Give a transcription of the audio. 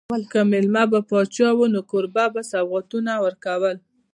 که مېلمه به پاچا و نو کوربه به سوغاتونه ورکول.